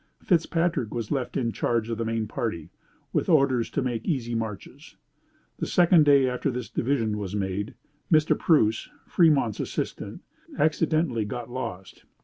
Fitzpatrick was left in charge of the main party, with orders to make easy marches. The second day after this division was made, Mr. Preuss, Fremont's assistant, accidentally got lost.